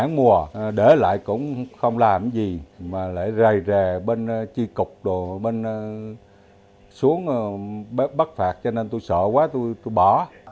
khoảng mùa để lại cũng không làm gì mà lại rầy rè bên chi cục đồ bên xuống bắt phạt cho nên tôi sợ quá tôi bỏ